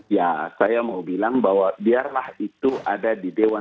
ya saya mau bilang bahwa biarlah itu ada di dewan